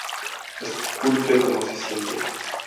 Esculpe como siente.